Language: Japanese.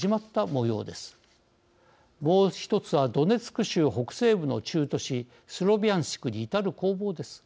もう１つはドネツク州北西部の中都市スロビャンシクに至る攻防です。